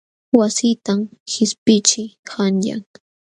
Wassitam qishpiqćhii qanyan.